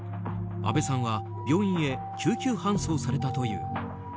あべさんは病院へ救急搬送されたという。